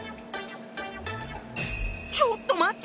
ちょっと待って。